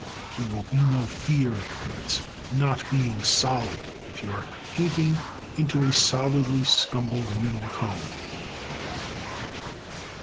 There will be no fear of its not being solid if you are painting into a solidly scumbled middle tone.